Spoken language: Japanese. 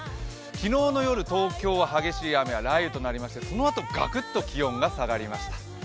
昨日の夜、東京は激しい雨や雷雨となりそのあとガクッと気温が下がりました。